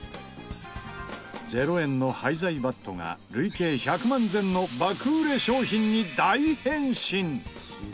０円の廃材バットが累計１００万膳の爆売れ商品に大変身！